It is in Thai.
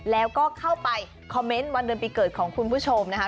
แล้วก็เข้าไปคอมเมนต์วันเดือนปีเกิดของคุณผู้ชมนะคะ